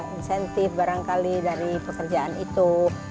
insentif barangkali dari pekerjaan itu